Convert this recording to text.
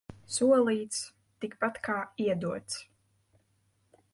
Solīts – tikpat kā iedots.